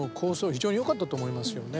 非常によかったと思いますよね。